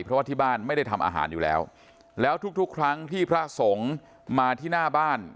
เพราะว่าที่บ้านไม่ได้ทำอาหารอยู่แล้วแล้วทุกทุกครั้งที่พระสงฆ์มาที่หน้าบ้าน